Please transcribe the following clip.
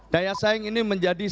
daya saing ini menjadi